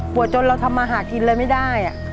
จนเราทำมาหากินเลยไม่ได้